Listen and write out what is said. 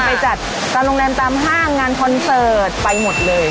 ไปจัดตามโรงแรมตามห้างงานคอนเสิร์ตไปหมดเลย